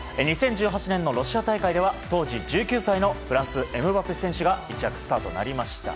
２０１８年のロシア大会では当時１９歳のフランス、エムバペ選手が一躍スターとなりました。